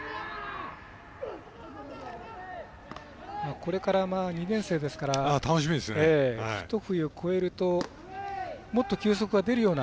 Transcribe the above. これから２年生ですから一冬越えるともっと球速が出るような。